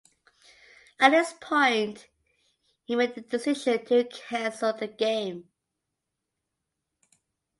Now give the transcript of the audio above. At this point, he made the decision to cancel the game.